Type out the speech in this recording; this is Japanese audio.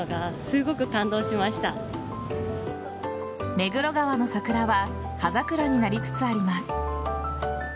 目黒川の桜は葉桜になりつつあります。